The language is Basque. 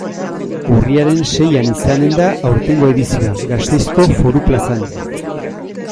Urriaren seian izanen da aurtengo edizioa, Gasteizko Foru Plazan.